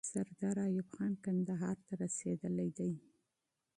سردار ایوب خان کندهار ته رسیدلی دی.